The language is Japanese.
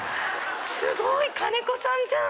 すごい金子さんじゃん！